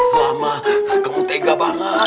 lama kau tega banget